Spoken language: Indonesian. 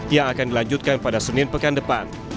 yang akan dilanjutkan pada senin